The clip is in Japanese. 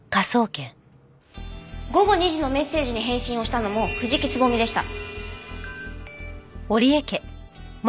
午後２時のメッセージに返信をしたのも藤木蕾でした。